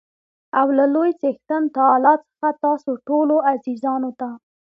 او له لوى څښتن تعالا څخه تاسو ټولو عزیزانو ته